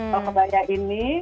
kalau kebaya ini